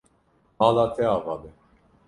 Mala te ava be.